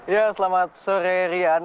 ya selamat sore rian